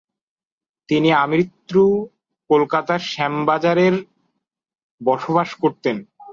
তিনি আমৃত্যু কলকাতার শ্যামবাজারের বসবাস করতেন।